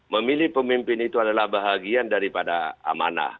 memilih pemimpin itu adalah bahagian daripada amanah